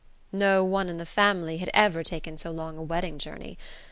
No one in the family had ever taken so long a wedding journey.